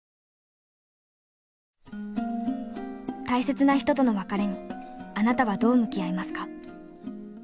大切な人との別れにあなたはどう向き合いますか？